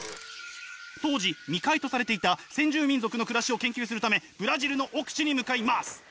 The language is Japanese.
当時未開とされていた先住民族の暮らしを研究するためブラジルの奥地に向かいます！